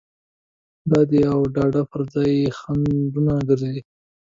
د داد او ډاډ پر ځای یې خنډ ونه ګرځي.